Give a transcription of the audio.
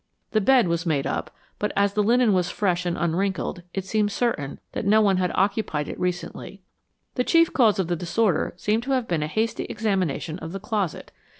The bed was made up, but as the linen was fresh and unwrinkled it seemed certain that no one had occupied it recently. The chief cause of the disorder seemed to have been a hasty examination of the closet.